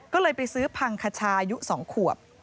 ก็เลยไปซื้อพังคชายุ๒ขวบ